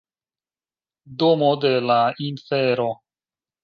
Domo de la Infero